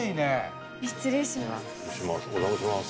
失礼します。